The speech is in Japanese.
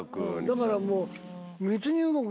だからもう。